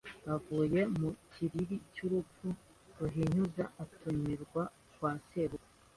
Bavuye mu kiriri cy’urupfu Ruhinyuza atumira kwa sebukwe